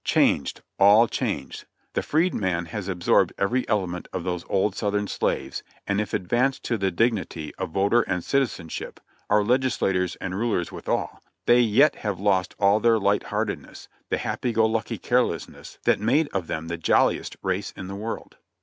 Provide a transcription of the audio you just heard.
Changed — all changed ! The freedman has absorbed every element of those old Southern slaves, and if advanced to the dig nity of voter and citizenship — our legislators and rulers withal — they yet have lost all their light heartedness, the happy go lucky carelessness that made of them the jolliest race in the world.